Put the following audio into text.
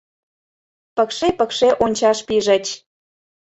Пыкше-пыкше ончаш пижыч.